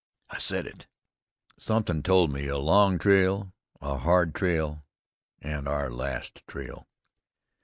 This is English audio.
I said it! Somethin' told me a hard trail, a long trail, an' our last trail."